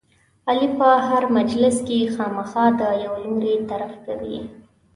علي په هره مجلس کې خامخا د یوه لوري طرف کوي.